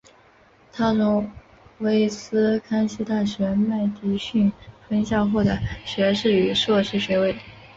他从威斯康辛大学麦迪逊分校获得学士与硕士学位。